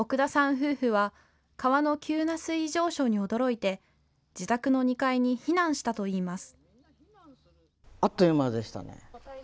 夫婦は川の急な水位上昇に驚いて自宅の２階に避難したといいます。